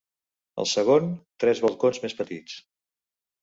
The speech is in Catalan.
Al segon, tres balcons més petits.